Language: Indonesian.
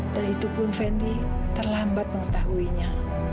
dan itupun fendi terlambat mengetahuinya